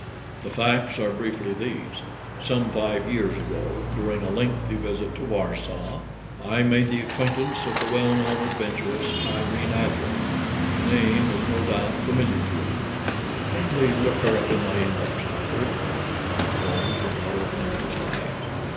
"The facts are briefly these: Some five years ago, during a lengthy visit to Warsaw, I made the acquaintance of the well known adventuress Irene Adler. The name is no doubt familiar to you." "Kindly look her up in my index, doctor," murmured Holmes, without opening his eyes.